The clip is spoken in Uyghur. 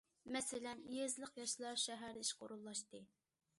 مەسىلەن، يېزىلىق ياشلار شەھەردە ئىشقا ئورۇنلاشتى.